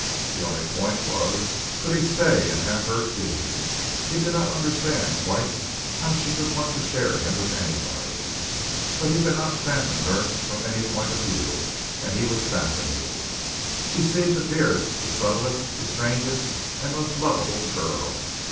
The only point was, could he stay and have her, too? He did not understand quite how she could want to share him with anybody, but he could not fathom her from any point of view, and he was fascinated. She seemed the dearest, the subtlest, the strangest and most lovable girl.